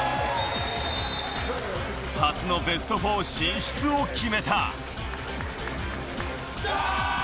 初のベスト４進出を決めた。